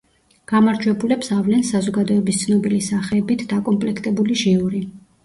გამარჯვებულებს ავლენს საზოგადოების ცნობილი სახეებით დაკომპლექტებული ჟიური.